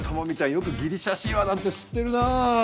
よくギリシャ神話なんて知ってるなぁ。